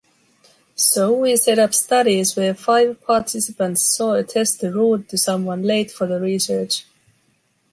So we set up studies where five participants saw a tester rude to someone late for the research.